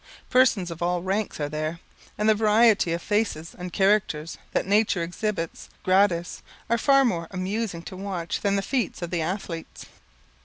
Persons of all ranks are there; and the variety of faces and characters that nature exhibits gratis, are far more amusing to watch than the feats of the Athletes.